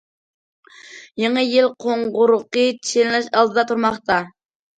يېڭى يىل قوڭغۇرىقى چېلىنىش ئالدىدا تۇرماقتا.